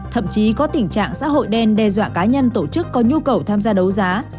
thậm chí có tình trạng xã hội đen đe dọa cá nhân tổ chức có nhu cầu tham gia đấu giá